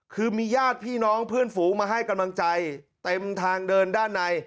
คือมีญาติพี่น้องเพื่อนฝูงมาให้กำลังใจเต็มทางเดินด้านใน